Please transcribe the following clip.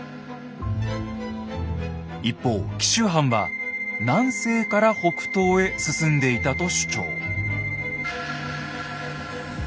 一方紀州藩は南西から北東へ進んでいたと主張。